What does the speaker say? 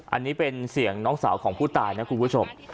อันนี้เป็นเสียงน้องสาวของผู้ตายนะคุณผู้ชม